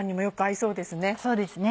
そうですね。